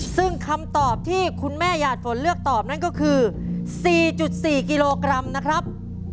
ซึ่งคำตอบที่คุณแม่หยาดฝนเลือกตอบนั่นก็คือ๔๔กิโลกรัมนะครับ